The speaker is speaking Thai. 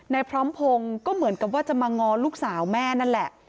พร้อมพงศ์ก็เหมือนกับว่าจะมาง้อลูกสาวแม่นั่นแหละ